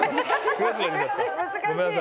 難しい。